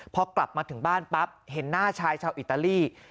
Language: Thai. พอกลับมาถึงบ้านปั๊บเห็นหน้าชายชาวอิตาลี